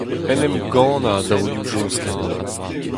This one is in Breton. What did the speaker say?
En em gannañ a daolioù joskenn.